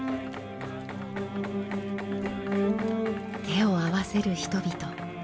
手を合せる人々。